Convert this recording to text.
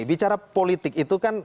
bicara politik itu kan